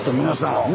皆さん！